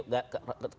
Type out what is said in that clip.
gak ada masalah